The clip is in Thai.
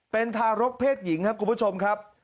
เป็นทารกเพศหญิงครับคุณผู้ชมครับ